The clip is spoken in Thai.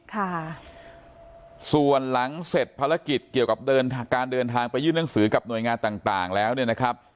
ค่ะส่วนหลังเสร็จภารกิจเกี่ยวกับเดินทางไปยื่นหนังสือกับหน่วยงานต่างต่างแล้วเนี่ยนะครับ